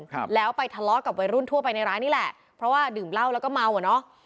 ครับแล้วไปทะเลาะกับวัยรุ่นทั่วไปในร้านนี่แหละเพราะว่าดื่มเหล้าแล้วก็เมาอ่ะเนอะ